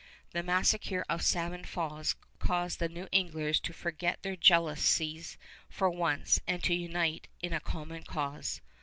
The massacre of Salmon Falls caused the New Englanders to forget their jealousies for the once and to unite in a common cause.